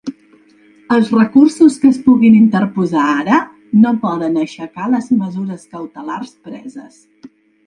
Els recursos que es puguin interposar ara no poden aixecar les mesures cautelars preses.